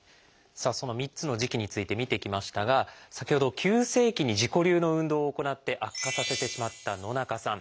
さあその３つの時期について見てきましたが先ほど急性期に自己流の運動を行って悪化させてしまった野中さん。